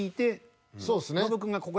そうっすね。